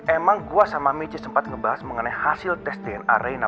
emang gua sama michi sempat ngebahas mengenai hasil tes dna